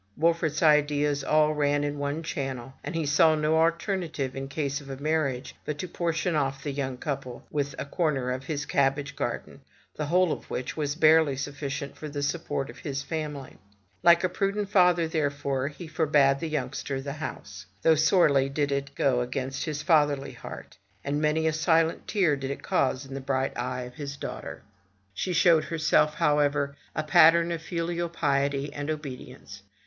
Wolfert's ideas all ran in one channel; and he saw no alternative in case of a marriage but to portion off the young couple with a corner of his cabbage garden, the whole of which was barely sufficient for the support of his family. Like a prudent father, therefore, he forbade the youngster the house; though sorely did it go against his fatherly heart, and many a silent tear did it cause in the bright eye of his daughter. no FROM THE TOWER WINDOW She showed herself, however, a pattern of filial piety and obedi ence.